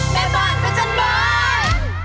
แม่บ้านพจรบ้าน